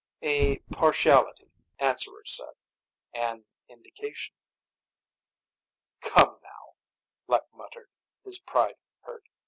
"A partiality," Answerer said. "An indication." "Come now," Lek muttered, his pride hurt.